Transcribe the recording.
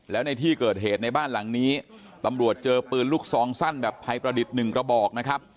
แล้วในที่เกิดเหตุในบ้านหลังนี้ตำรวจเจอปืนลูกซองสั้นแบบไทยประดิษฐ์หนึ่งกระบอกนะครับ